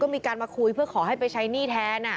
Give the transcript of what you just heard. มีการมาคุยเพื่อขอให้ไปใช้หนี้แทน